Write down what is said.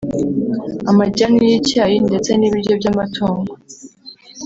amajyani y’icyayi ndetse n’ibiryo by’amatungo